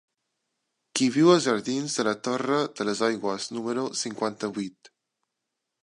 Qui viu als jardins de la Torre de les Aigües número cinquanta-vuit?